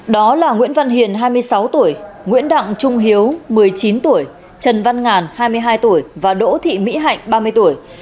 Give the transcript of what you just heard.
đó là nguyễn văn hiền hai mươi sáu tuổi nguyễn đặng trung hiếu một mươi chín tuổi trần văn ngàn hai mươi hai tuổi và đỗ thị mỹ hạnh ba mươi tuổi